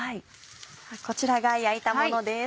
こちらが焼いたものです。